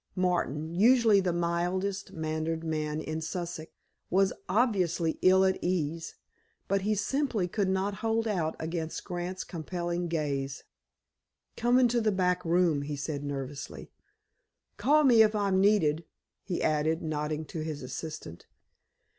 Martin, usually the mildest mannered man in Sussex, was obviously ill at ease. But he simply could not hold out against Grant's compelling gaze. "Come into the back room," he said nervously. "Call me if I'm needed," he added, nodding to his assistant.